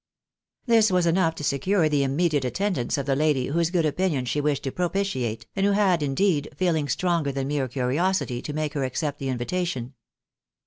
This was enough to secure the immediate attendance of the lady whose good opinion she wished to propitiate, and who had, indeed, feelings stronger than mere curiosity to make her accept the invitation.